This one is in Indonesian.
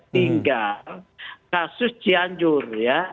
tinggal kasus cianjur